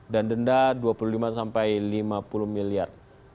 dan denda dua puluh lima sampai lima puluh miliar